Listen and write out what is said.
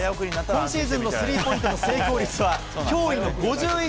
今シーズンのスリーポイントの成功率は、驚異の５１．９％。